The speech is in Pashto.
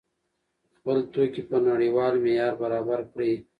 خپل توکي په نړیوال معیار برابر کړئ.